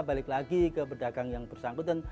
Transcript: balik lagi ke pedagang yang bersangkutan